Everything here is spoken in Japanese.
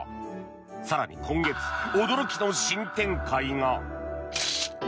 更に、今月驚きの新展開が。